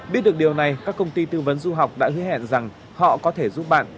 biết được điều này các công ty tư vấn du học đã hứa hẹn rằng họ có thể giúp bạn